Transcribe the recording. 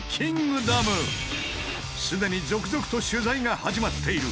既に続々と取材が始まっている！